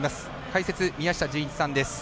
解説、宮下純一さんです。